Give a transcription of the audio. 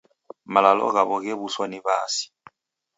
Malalo ghaw'o ghew'uswa ni W'aasi.